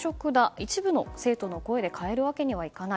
一部の生徒の声で変えるわけにはいかない。